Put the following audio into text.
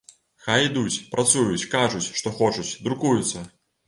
Хай ідуць, працуюць, кажуць, што хочуць, друкуюцца!